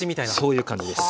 そういう感じです。